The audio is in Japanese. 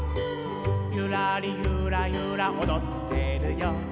「ゆらりゆらゆらおどってるよ」